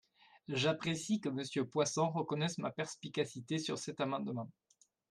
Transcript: J’apprécie que Monsieur Poisson reconnaisse ma perspicacité sur cet amendement